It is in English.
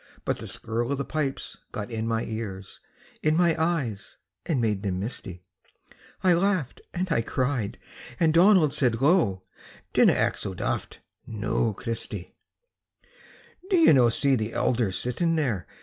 But the skirl o' the pipes got in my ears, In my eyes, and made them misty; I laughed and I cried, and Donald said low: "Dinna act so daft, noo, Christy!" "Do ye no see the elder sitting there?